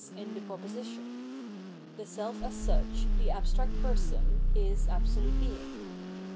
in the proposition :" The self as snch, the abstract person, is absolute Being."